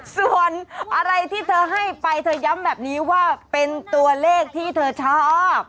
ส่วนอะไรที่เธอให้ไปเธอย้ำแบบนี้ว่าเป็นตัวเลขที่เธอชอบ